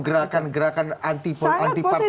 gerakan gerakan anti partai politik seperti ini